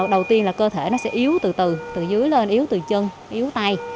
đầu tiên là cơ thể nó sẽ yếu từ từ dưới lên yếu từ chân yếu tay